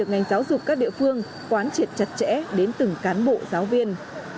ngành giáo dục các địa phương quán triệt chặt chẽ đến từng cán bộ giáo viên